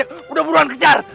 ya aku mau ke pasar cihidung